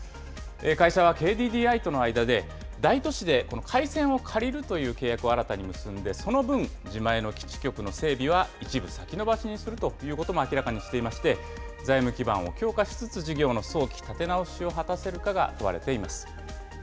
会社はＫＤＤＩとの間で、大都市で回線を借りるという契約を新たに結んで、その分、自前の基地局の整備は一部先延ばしにするということも明らかにしていまして、財務基盤を強化しつつ、事業の早期立て直しを果たせるかが問われています。